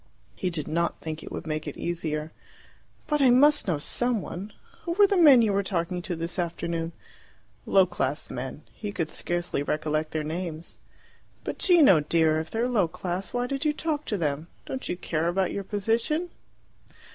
He did not think it would make it easier. "But I must know some one! Who were the men you were talking to this afternoon?" Low class men. He could scarcely recollect their names. "But, Gino dear, if they're low class, why did you talk to them? Don't you care about your position?"